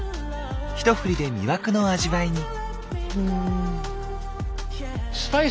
一振りで魅惑の味わいに。